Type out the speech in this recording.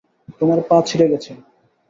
তোমার পা, ছিঁড়ে গেছে।